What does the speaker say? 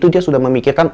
dia sudah memikirkan